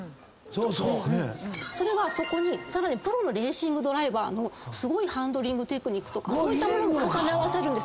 それはそこにさらにプロのレーシングドライバーのすごいハンドリングテクニックとか重ね合わせるんです。